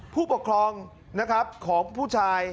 ผู้ปกครองนะครับของผู้ชาย